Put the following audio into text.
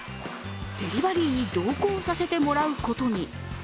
デリバリーに同行させてもらうことに。